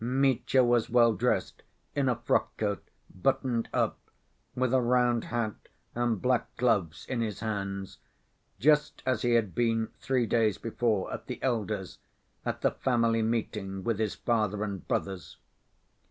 Mitya was well dressed, in a frock‐coat, buttoned up, with a round hat and black gloves in his hands, just as he had been three days before at the elder's, at the family meeting with his father and brothers.